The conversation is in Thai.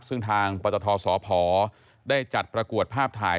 ซึ่งทางปตทสพได้จัดประกวดภาพถ่าย